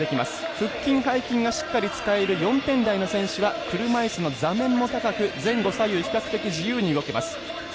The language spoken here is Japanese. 腹筋、背筋がしっかり使える４点台の選手は車いすの座面も高く前後左右、比較的自由に動けます。